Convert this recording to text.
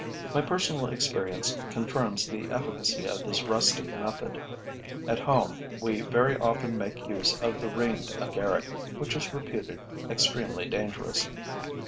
My personal experience confirms the efficacy of this rustic method. At home, we very often make use of the ringed agaric, which is reputed extremely dangerous.